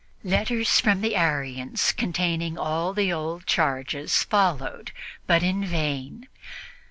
Letters from the Arians containing all the old charges followed, but in vain.